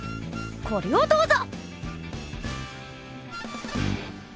これをどうぞ！